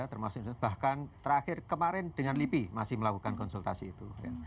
termasuk bahkan terakhir kemarin dengan lipi masih melakukan konsultasi itu